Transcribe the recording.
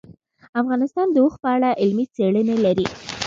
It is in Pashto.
افغانستان د اوښ په اړه علمي څېړنې لري.